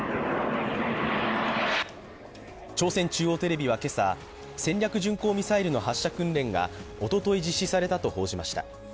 朝鮮中央テレビは今朝戦略巡航ミサイルの発射訓練がおととい、実施されたと報じました